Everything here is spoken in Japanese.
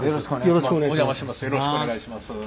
よろしくお願いします。